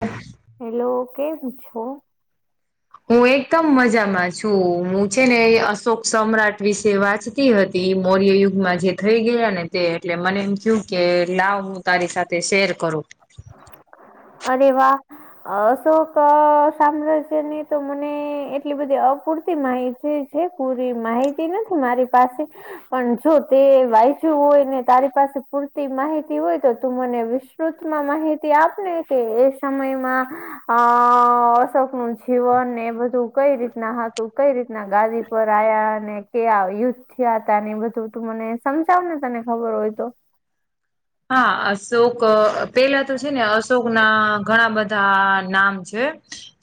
હ. હેલો, કેમ છો? હું એકદમ મજામાં છું. હું છે ને અશોક સમ્રાટ વિશે વાચ તી મૌર્ય યુગમાં જે થઈ ગયા ને તે એટલે મને એમ કયું કે લાવું તારી સાથે શેર કરો. અરે વાહ અશોક અહ સાંભળે છે નને તો મને એટલી બધી અપૂરતી માહિત છે. છે પૂરી માહિતી નથી મારી પાસે. પણ જો તે વાંચ્યું હોય ને તારી પાસે પૂરતી માહિતી હોય તો તું મને વિશ ટુકમાં માહિતી આપને કે એ સમયમાં અ અશોક નું જીવન ને એ બધું કઈ રીતના હતું કઈ રીત ના ગાંધીપર આયા અને કે આયુ થયા તા ને એ બધું તું મને સમજાવને તને ખબર હોય તો હા અશોક પેલા તો છે ને અશોક ના ઘણા બધા નામ છે.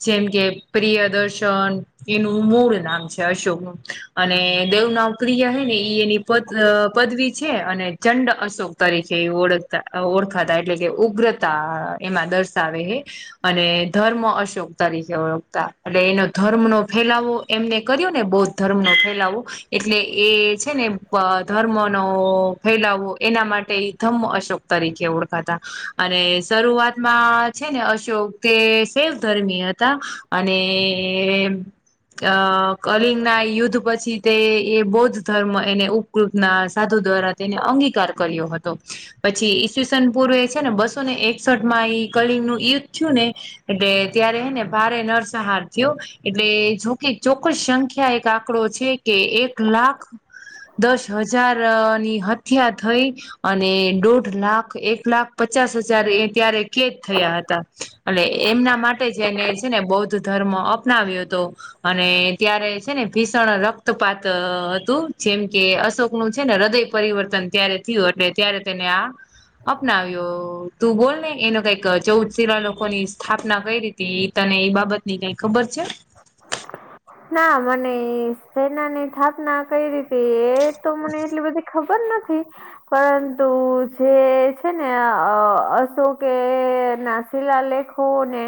જેમ કે પ્રિયદર્શન એનું મૂળ નામ છે અશોકનું અને દેવનામ ક્રિયા હૈ ને એઈ એની પ પદવી છે અને ચંડ અશોક તરીકે કે ઓળખતા ઓળખાતા એટલે કે ઉગ્રતા એમાં દર્શાવે હે. અને ધર્મ અશોક તરીકે ઓળખતા એટલે એનો ધર્મ નો ફેલાવો એમને કર્યું ને બૌદ્ધ ધર્મ નો ફેલાવો એટલે એ છે ને અ ધર્મનો ફેલાવવો એના માટે ઈ ધમ્મ અશોક તરીકે ઓળખાતા અને શરૂઆતમાં છે ને અશોક તે સેવ ધર્મી હતા અને અ કરીંગ. ના યુદ્ધ પછી તે એ બૌદ્ધ ધર્મ એને ઉપકૃત ના સાધુ દ્વારા તેને અંગીકાર કર્યો હતો પછી ઈસવીસન પૂર્વે એ છે ને બસો ને એકસઠ માં કલંગનું યુદ્ધ થયું ને એટલે ત્યારે એને ભારે નરસહાર થયો. એટલે જોકે ચોક્કસ સંખ્યા એક આંકડો છે કે એક લાખ દસ હજાર ની હત્યા થઈ. અને દોઢ લાખ એક લાખ પચાસ હજાર એ ત્યારે કેદ થયા હતા અને એમના માટે જેને છે ને બૌદ્ધ ધર્મ અપનાવ્યો હતો અને ત્યારે છે ને ભીષણ રક્તપાત હતું જેમ કે અશોકનુ છે ને હૃદય પરિવર્તન ત્યારે થયું એટલે ત્યારે તેને આ અપનાવ્યો તું બોલ ને એનો કઈક ચૌદ શીલા લોકોની સ્થાપના કય રીતી તી તને એઈ બાબતની કઈ ખબર છે. ના મને સેના ની થાપના કઈ રી હતી એ તો મને એટલી બધી ખબર નથી. પરંતુ જે છે ને અ અશોકે નાસ શિલાલેખોને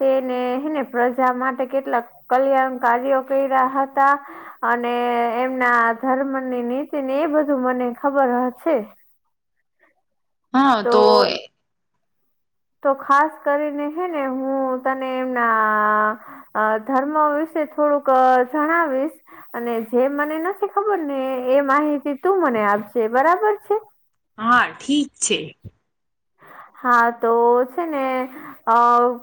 તેને હેને પ્રજા માટે કેટલાક કલ્યાણ ગાડી [inaudible] ઓકરી રહ્યા હતા અને એમના ધર્મની નીતિ ને એ બધું મને ખબર હશે. હા તો. તો ખાસ કરીને હે ને હું તને એમના અ ધર્મ વિશે થોડુંક જણાવીશ અને જે મને નથી ખબર ને એ માહિતી તું મને આપજે બરાબર છે. હા ઠીક છે. હા તો છે ને અ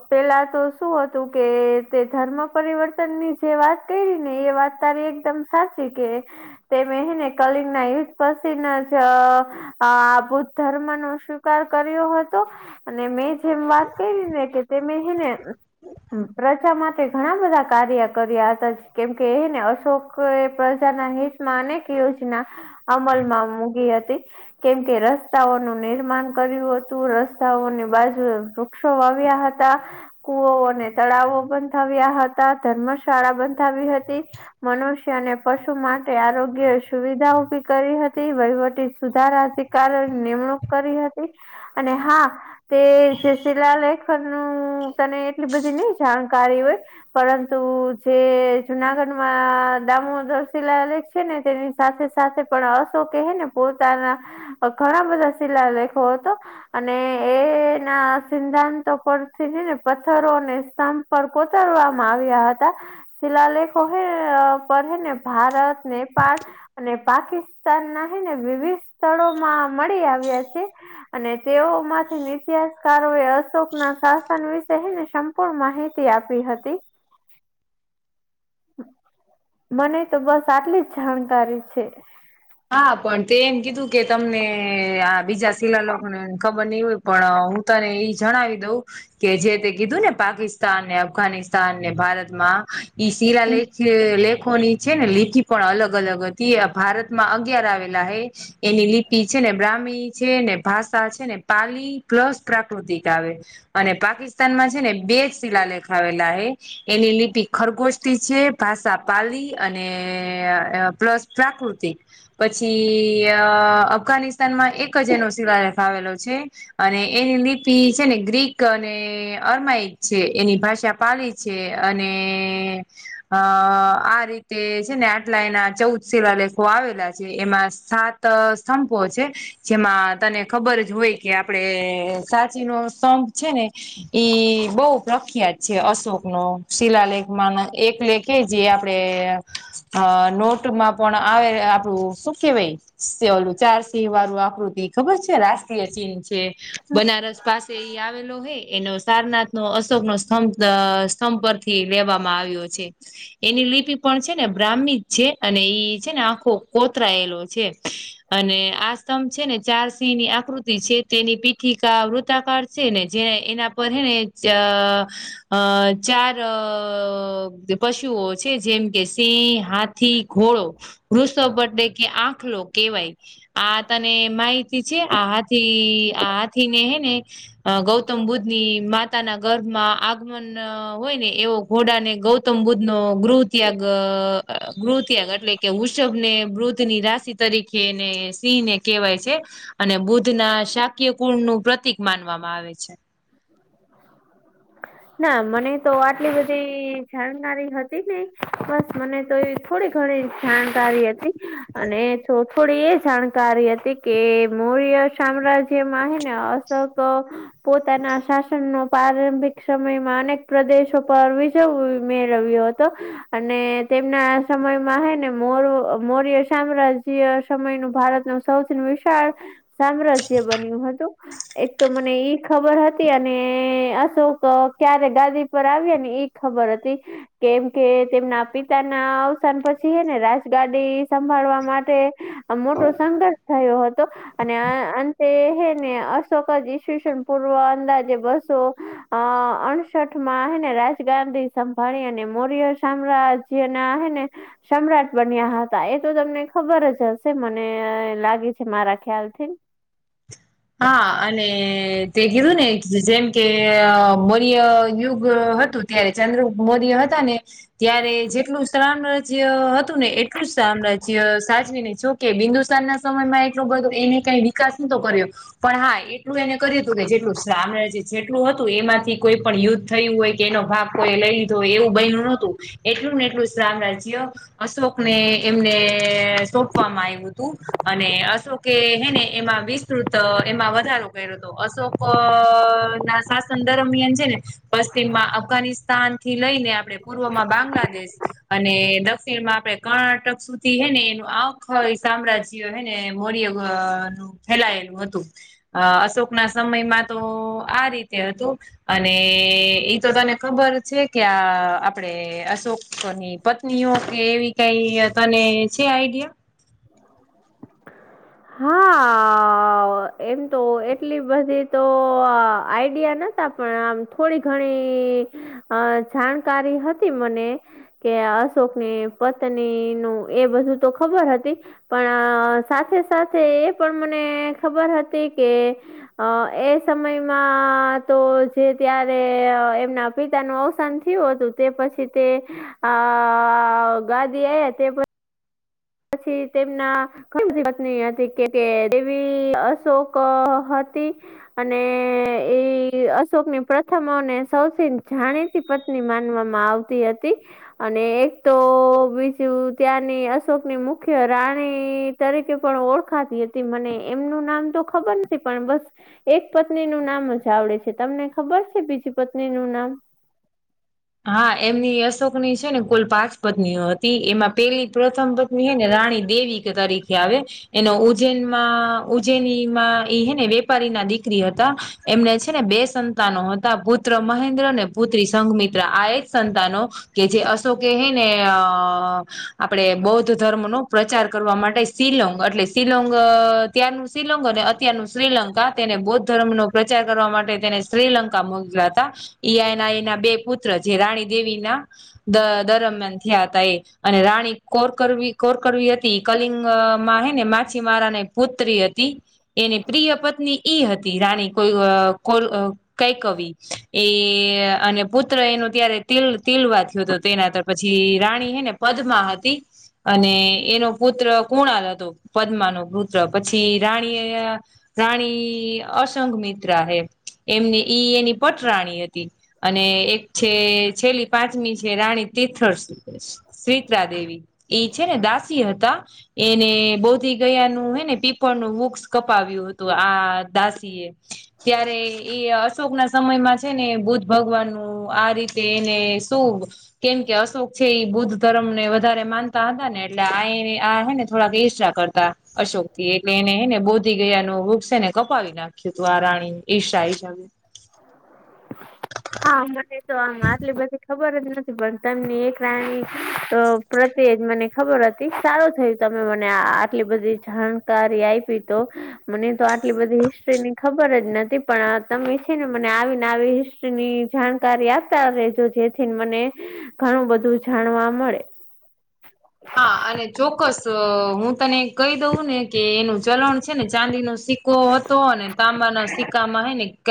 પેલા તો શું હતું કે તે ધર્મ પરિવર્તન ની જે વાત કરી ને એ વાત તારી એકદમ સાચી કે તેમ મે ને કલિંગ ના યુદ્ધ પછી ના જ. આ બુદ્ધ ધર્મ નો સ્વીકાર કરયું હતું અને મેં જેમ વાત કરી ને કે તેમે હેને પ્રજા માટે ઘણા બધા કાર્ય કર્યા હતા કેમકે એ ને અશોક લોકો એ પ્રજાના હિતમાં અનેક યોજના, અમલમાં મૂકી હતી. કેમ કે રસ્તાઓનું નિર્માણ કર્યું હતું રસ્તાઓની બાજુ વૃક્ષો વા્યા હતા. કુવ અને તળાવો બંધાવ્યા હતા ધર્મશાળા બંધાવી હતી. મનુષ્ય અને પશુ માટે આરોગ્ય સુવિધા ઉભી કરી હતી વહીવટી સુધારાથી ની નિમણૂક કરી હતી, અને હા તે જે શિલાલેેખન નું તને એટલી બધી નહ જાણકારી હોય. પરંતુ જે જુનાગઢમાં દામોધરશીલા છે. ને તેની સાથે સાથે પણ અશોક હ ને પોતાના, ઘણા બધા શિલા લ બ તો. અને એના સિદ્ધાંતો પરથી ને પથ્થરો અને સં પર કોતરવામાં આવ્યા હતા. શિલાલેખો હૈ પે ને ભારત નેપળ. અને પાકિસ્તાન ના હને વિવિધ સ્થળોમાં મળી આવ્યા છે. અને તેઓ માંથી તિહાસકારો એ અશોકના શાસન વિશે હને પણ માહિતી આપી હતી. મને તો બસ આટલી જ જાણકારી છે. હા પણ તે એમ કીધું કે તમને આ બીજા શિલા લોકો ખબર નહ હોય પણ હું તને એ જણાવી દઉં, કે જે તે કીધું ને પાકિસ્તાન ને અફઘાનિસ્તાન ને ભારતમાં. ઈ શિલા લખ લેખોની છે ને લીખી પણ અલગ અલગ હતી ભારત માં અગિયાર આવેલા હૈ. એની લિપિ છે ને બ્રાહ્મી છે ને ભાષા છે ને પાલી પ્લસ પ્રાકૃતિક આવે. અને પાકિસ્તાનમાં છે ને બે શીલા લેખાવેલા હ. એની લિપિ ખરગોસ્ છે ભાષા પાલી અને પ્લસ પ્રાકૃતિક, પછી અફઘાનિસ્તાન માં એક જ એનો શિલા આવેલો છે. અને એની લિપિ છે ને ગ્રીક અને અરમાઈ છે એની ભાષા પાલી છે અને અ આ રીતે છે ને આટલા એના ચૌદ શિલાલેખો આવેલા છે એમાં સાત સ્તંપો છે, જેમાં તને ખબર જ હોય. કે આપડે સાચી નો સ્તભ છે ને ઈ બહુ પ્રખ્યાત છે, અશોક નો શિલાલેખ એકલેેખ કે જે આપડે, નોટમાં પણ આવે આપડું કે ભાઈ સ ઓલું ચાર સિંહ વાળું આકૃતિ ખબર છે રાષ્ટ્રીય ચિહ. બનારસ પાસે એ આવેલો હે એનો સારનાથ નો અશોકનોો સ્તંભ અ સ્તંભ પરથી લેવામાં આવ્યો છે. એની લિપિ પણ છે ને બ્રાહ્મી છે અને એ છે ને આખો કોતરાયેલો છે, અને આ સ્તંભ છે ને ચાર સિંહ ની આકૃતિ છે. તેની પીઠિકા વૃતાકાળ છે ને જેને એના પર હેને અ ચાર પશુઓ છે જેમ કે સિંહ હાથી ઘોડો વૃષો બે કે આંખલો કેહેવાય. આ તને માહિતી છે આહાથી આાથી ને હે ને. અ ગૌતમ બુદ્ધ ની માતાના ગર્ભમાં અહ આગમન હોય ને એવો ઘોડાને ગૌતમ બુદ્ધ નો ગૃહ ત્યાગ ગૃહ ત્યાગ એટલેકે વૃષભ ને મૃધ ની રાશિ તરીકે ને સિંહને કહેવાય છે અને બુદ્ધના શાક્યકુળ નું પ્રતિક માનવામાં આવે છે. [inaudible] ના મને તો આટલી બધી જાણકારી હતી નઈ, બસ મને તો એ થોડી ઘણી જાણકારી હતી અને થોડી એ જાણકારી હતી. કે મૌર્ય સામ્રાજ્યમાં હે ને અસંગ પોત પોતાના શાસનનો પ્રારંભિક સમયમાં અનેક પ્રદેશો પર વિજવ મેળવ્યો હતો. અને તેમના સમયમાં હે ને મોર મોર્ય સામ્રાજ્ય. સમયનું ભારતનું સૌથી વિશાળ સામ્રાજ્ય બન્યું હતું. એક તો મને એ ખબર હતી અને અશોક ક્યારે ગાદી પર આવ્યા ને એ ખબર હતી. કેમકે તેમના પિતાના અવસાન પછી હેને રાજગાડી સંભાળવા માટે આ મોટો સંઘર્ષ થયો હતો અને અંતે હે ને અશોક જ ઈશવ પૂર્વ અંદાજે બસો અહ અડસઠ માં હે ને રાજ ગાંધી સંભાળી અને મોર્ય સામ્રાજ [unintelligible] હેને સમ્રાટ બન્યા હતા, એતો તમને ખબર જ હશે મને લાગે છે મારા ખ્યાલથી હા અને તે કીધું ને જેમ કે મૌર્ય યુગ હતું ત્યારે ચંદ્રગુપ્ત મોર્ય હતા ને ત્યારે જેટલું સામ્રાજ્ય હતું ને એટલું જ સામ્રાજ્ય સાજવીને જો કે બિંદુસારના સમયમાં એટલું બધું, એને કઈ વિકાસ નતો કર્યો. પણ હા એટલું એને કર્યું હતું કે જેટલુ સામ્રાજ્ય જેટલું હતું એમાંથી કોઈ પણ યુદ્ધ થયું હોય કે એનો ભાગ કોઈએ લઈ લીધો હોય એવું બઈનું નતું. એટલું ને એટલું સામ્રાજ્ય અશોકને એમને સોંપવામાં આવ્યું તું. અને અશોકે હેને એમાં વીસ તૃત એમાં વધારો કર્યો હતો, અશોકના શાસન દરમિયાન છે ને પશ્ચિમમાં અફઘાનિસ્તાનથી લઈને આપડે પૂર્વમાં બાંગ્લાદેશ અને દક્ષિણમાં આપડે કર્ણાટક સુધી હે ને એનું આખય સામ્રાજ્ય હેને મોર્ય અહ નું ફેલાયેલું હતું અહ અશોકના સમયમાં તો આ રીત તે હતું અને એ તો તને ખબર છે, કે આ આપડે અશોક ની પત્નીઓ કે એવી કઈ તને છે, આઈડિયા? હા. અહ એમ તો એટલી બધી તો આઈડિયા નતા પણ આમ થોડી ઘણી અહ જાણકારી હતી મને કે અશોકની પત્નીનું એ બધું તો ખબર હતી. પણ સાથે સાથે એ પણ મને ખબર હતી કે અહ એ સમયમાં તો જે ત્યારે એમના પિતાનું અવસાન થિયુ હતું તે પછી તે અહ ગાદી આવ તે પછી પછી તેમના કેટલી બધી પત્ની હથી કે દેવી અશોક હતી. અને એ અશોકની પ્રથમને સૌથી જાણી પત્ની માનવામાં આવતી હતી અને એક તો બીજું ત્યાંની અસ [unintelligible] મુખ્ય રાણી તરીકે પણ ઓળખાતી હતી, મને એમનું નામ તો ખબર ને [unintelligible] પણ બસ એક પત્નીનું નામ જ આવડે છે તમને ખબર છે બીજી પત્ની નું નામ હા એમની અશોકની છેને કુલ પાંચ પત્નીઓ હતી, એમાં પેલી પ્રથમ પત ની હે ને રાણી દેવી તરીકે આવે એનો ઉજ્જૈનમાં ઉજ્જૈનીમાં ઇ હે ને વેપારીના દીકરી હતા એમને છે ને બે સંતાનો હતા. ભૂત પુત્ર મહેન્દ્ર અને પુત્રી સંઘમિત આ એ જ સંતાનો કે જે અશોકે હે ને હમ્મ. આપણે બૌદ્ધ ધર્મનો પ્રચાર કરવા માટે શિલોંગ એટલે શિલોંગ ત્યારનું શિલોંગ અને અત્યારનું શ્રીલંકા. તેને બૌદ્ધ ધર્મનો પ્રચાર કરવા માટે તેને શ્રીલંકા મોકલ્યા હતા ઈઆ એના એના બે પુત પુત્ર જે રાણી દેવીના દ દરમિયાન થયા હતા એ અને રાણી કોરકરવી કોરકરવી હતી કલિંગ માં હે ને માછીમારાને પુત્રી હતી. એની પ્રિય પત્ની ઈ હતી રાની કોઈ કોલ અ કઈ કવિ એ અને પૂત [unintelligible] પુત્ર એનું ત્યારે તિલ તિલવા થયો તો તેના પછી રાણી હે ને પદ્માવતી અને એનો પુત્ર કુણાલ હતો પદ્મા નો પુત્ર પછી રાણી અ રાણી અસંંગ મિત્રા હે. એમની ઈ એની પટરાણી હતી અને એક છે છેલ્લી પાંચમી છે રાણી તીર્થ સુવિત્રા દેવી. ઇ છે ને દાસી હતા. એને બોધી ગયાનું હેને પીપળનું વૃક્ષ કપાવ્યું હતું આ દાસી એ ત્યારે એ અશોકના સમયમાં છે ને બુદ્ધ ભગવાનનું આ રીતે એને શું કેમ કે અશોક છે એ બુદ્ધ ધર્મને વધારે માનતા હતા ને એટલે આ એને આ હે ને થોડાક ઈર્ષા કરતા. અશોકથી એટલે એને હેને બોધી ગયાનું વૃક્ષ એને કપાવી નાખ્યું હતું આ રાણીની ઈર્ષા આઇ [unintelligible] હા હમણાંથી તો આટલી બધી ખબર જ નથી પડતી. તમની એક રાણી તો પ્રત્યે જ મને. ખબર હતી સારું થયું તમે મને આ આટલી બધી જાણકારી આઇપી તો મને તો આટલી બધી હિસ્ટ્રીની ખબર જ નથી પણ આ તમે જ છે ને મને આવીને આવી હિસ્ટ્રીની જાણકારી આપતા રે જો જેથી ન મને ઘણું બધું જાણવા મળે. હા અને ચોક્કસ હું તને કહી દઉં ને કે એનું ચલણ છે ને ચાંદીનો સિક કો હતો અને તાંબાના સિક્કામાં હે ને ક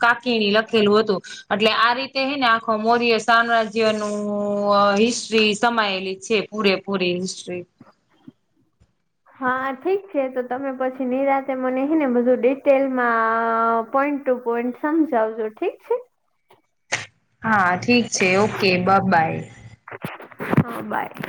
કાકીણી લખેલું હતું. એટલે આ રીતે હેને આખો મૌર્ય સામ્રાજ્યનું અ હિસ્ટ્રી સમાયેલી છે. પૂરે પૂરી હિસ્ટ્રી હા ઠીક છે તો તમે પછી નિરાંતે મને હે ને બધું ડિટેલમાં અ પોઈન્ટ ટુ પોઈન્ટ સમજાવજો ઠીક છે. હા ઠીક છે ઓકે બ બાય. હા બાય.